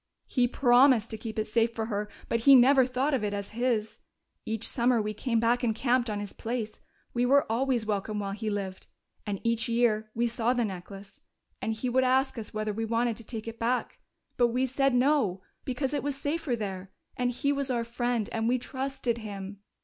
"He promised to keep it safe for her, but he never thought of it as his. Each summer we came back and camped on his place we were always welcome while he lived and each year we saw the necklace, and he would ask us whether we wanted to take it back. But we said no, because it was safer there, and he was our friend, and we trusted him.